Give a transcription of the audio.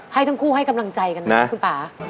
ให้ทั้งคู่ให้กำลังใจกันไหมคุณป่า